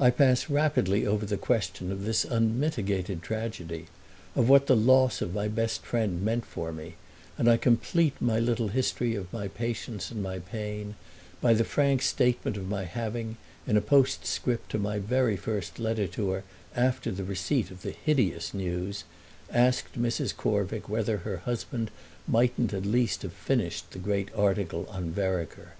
I pass rapidly over the question of this unmitigated tragedy, of what the loss of my best friend meant for me, and I complete my little history of my patience and my pain by the frank statement of my having, in a postscript to my very first letter to her after the receipt of the hideous news, asked Mrs. Corvick whether her husband mightn't at least have finished the great article on Vereker.